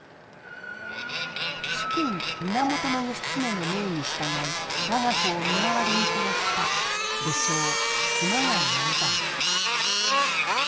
主君源義経の命に従い我が子を身代わりに殺した武将熊谷直実。